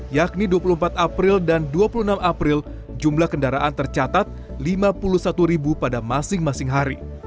yakni dua puluh empat april dan dua puluh enam april jumlah kendaraan tercatat lima puluh satu ribu pada masing masing hari